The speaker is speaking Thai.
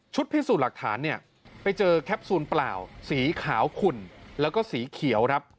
พิสูจน์หลักฐานเนี่ยไปเจอแคปซูลเปล่าสีขาวขุ่นแล้วก็สีเขียวครับ